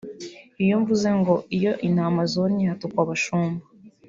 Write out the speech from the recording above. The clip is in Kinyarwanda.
Iyo mvuze ngo iyo intama zonnye hatukwa abashumba